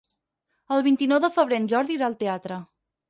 El vint-i-nou de febrer en Jordi irà al teatre.